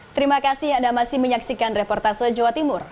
terima kasih anda masih menyaksikan reportase jawa timur